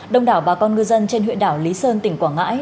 đông đảo bà con ngư dân trên huyện đảo lý sơn tỉnh quảng ngãi